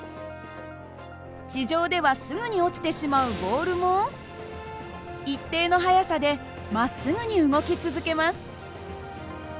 地上ではすぐに落ちてしまうボールも一定の速さでまっすぐに動き続けます。